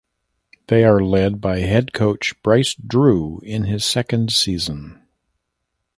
They are led by head coach Bryce Drew in his second season.